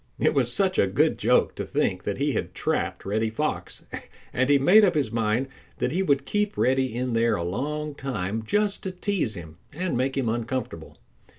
It was such a good joke to think that he had trapped Reddy Fox, and he made up his mind that he would keep Reddy in there a long time just to tease him and make him uncomfortable.